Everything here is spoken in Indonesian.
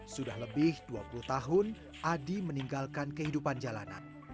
sudah lebih dua puluh tahun adi meninggalkan kehidupan jalanan